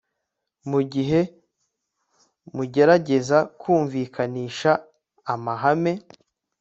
Mu gihe mugerageza kumvikanisha amahame